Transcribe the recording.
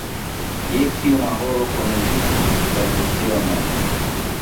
Je kioma horo komenciĝis la lecionoj?